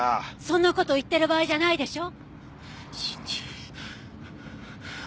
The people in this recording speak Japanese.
そんな事言ってる場合じゃないでしょ！